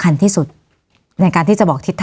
วันนี้แม่ช่วยเงินมากกว่า